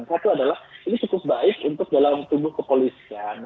satu adalah ini cukup baik untuk dalam tubuh kepolisian